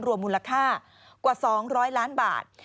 รวมมูลค่ากว่า๒๐๐ล้านบาท